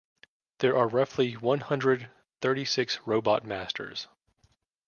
There are roughly one hundred thirty six Robot Masters.